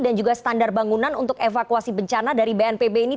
dan juga standar bangunan untuk evakuasi bencana dari bnpb ini